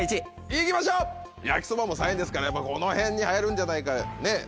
行きましょう焼きそばも３位ですからやっぱこの辺に入るんじゃないかねっ。